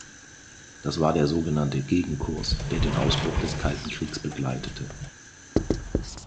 Das war der sogenannte Gegenkurs, der den Ausbruch des Kalten Kriegs begleitete.